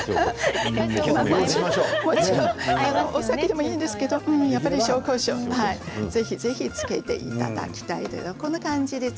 笑い声お酒でもいいんですけどやっぱり紹興酒をぜひぜひつけていただきたいです。